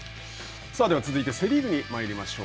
では、続いて、セ・リーグにまいりましょう。